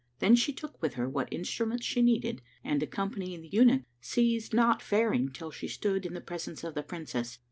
Then she took with her what instruments she needed and, accompanying the eunuch, ceased not fairing till she stood in the presence of the Princess.